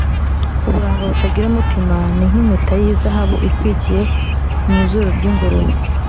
Uburanga butagira umutima ,ni nk’impeta y’izahabu ikwikiye mu izuru ry’ingurube